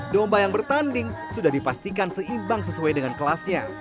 domba yang bertanding sudah dipastikan seimbang sesuai dengan kelasnya